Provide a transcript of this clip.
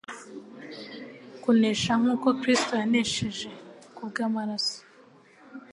kunesha nk’uko Kristo yanesheje, kubwo amaraso